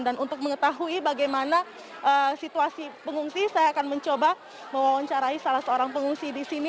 dan untuk mengetahui bagaimana situasi pengungsi saya akan mencoba menguancarai salah seorang pengungsi di sini